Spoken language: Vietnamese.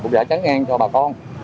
cũng giải tránh an cho bà con